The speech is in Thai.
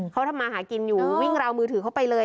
เขาทำมาหากินอยู่วิ่งราวมือถือเข้าไปเลย